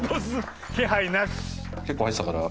結構入ってたから。